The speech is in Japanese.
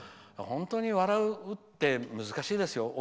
本当に笑うって難しいですよ。